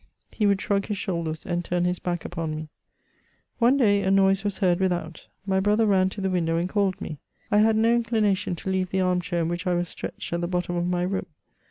He would shrug his shoulders, and turn his back upon me. One day, a noise was heard without ; my brother ran to the window and called me. I had no inclination to leave the arm chair in which I was stretched at the bottom of my room.